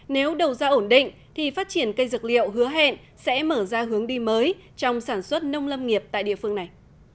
nếu đầu ra ổn định thì phát triển cây dược liệu hứa hẹn sẽ mở ra hướng đi mới trong sản xuất nông lâm nghiệp tại địa phương này